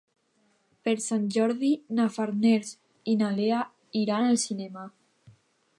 Per Sant Jordi na Farners i na Lea iran al cinema.